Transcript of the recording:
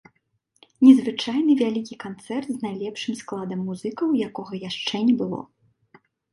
Незвычайны вялікі канцэрт з найлепшым складам музыкаў, якога яшчэ не было.